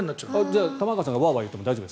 じゃあ玉川さんがワーワー言ってても大丈夫？